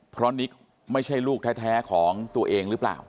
เพราะนิกไม่ใช่ลูกแท้ของตัวเองหรือเปล่า